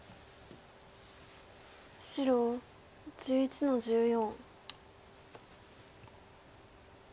白１１の十四。